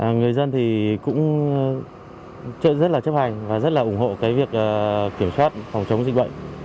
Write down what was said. người dân thì cũng rất là chấp hành và rất là ủng hộ cái việc kiểm soát phòng chống dịch bệnh